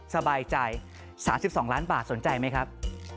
สบายใจ๓๒ล้านบาทสนใจไหมครับ